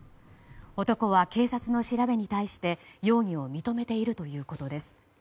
男は警察の調べに対して、容疑を認めているということです。